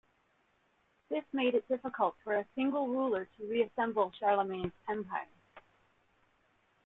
This made it difficult for a single ruler to reassemble Charlemagne's empire.